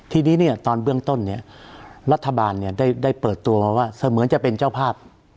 ทีนี้เนี่ยตอนเบื้องต้นเนี่ยรัฐบาลได้เปิดตัวมาว่าเสมือนจะเป็นเจ้าภาพ